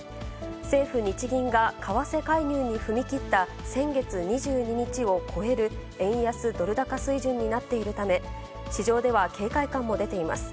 政府・日銀が為替介入に踏み切った先月２２日を超える円安ドル高水準になっているため、市場では警戒感も出ています。